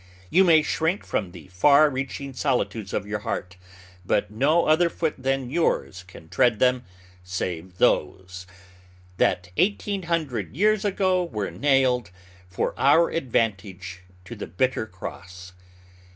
You may shrink from the far reaching solitudes of your heart, but no other foot than yours can tread them, save those "That, eighteen hundred years ago, were nailed, For our advantage, to the bitter cross."